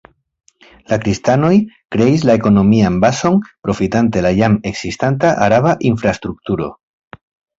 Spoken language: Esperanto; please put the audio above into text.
La kristanoj kreis la ekonomian bazon profitante la jam ekzistanta araba infrastrukturo.